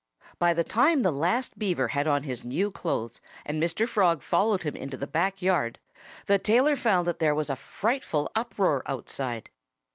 By the time the last Beaver had on his new clothes, and Mr. Frog followed him into the back yard, the tailor found that there was a frightful uproar outside.